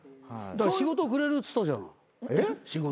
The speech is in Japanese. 仕事をくれるっつったじゃない仕事。